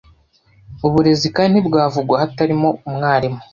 uburezi kandi ntibwavugwa hatariho umwarimu